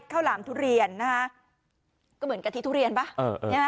ข้าวหลามทุเรียนนะฮะก็เหมือนกะทิทุเรียนป่ะเออเออ